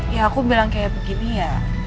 ya aku bilang kayak begini ya